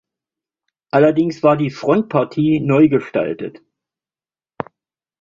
Allerdings war die Frontpartie neu gestaltet.